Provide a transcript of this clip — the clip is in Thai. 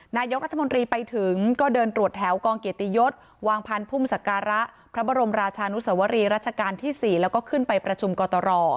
นายกรัฐมนตรีไปถึงก็เดินตรวจแถวกองเกียรติยศวางพันธ์พุ่มศักระพระบรมราชานุสวรีรัชกาลที่๔แล้วก็ขึ้นไปประชุมกตร